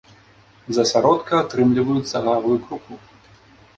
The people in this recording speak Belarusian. З асяродка атрымліваюць сагавую крупу.